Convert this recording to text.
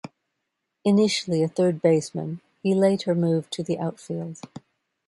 Initially a third baseman, he later moved to the outfield.